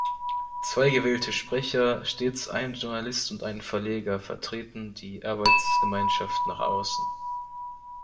Zwei gewählte Sprecher, stets ein Journalist und ein Verleger, vertreten die Arbeitsgemeinschaft nach außen.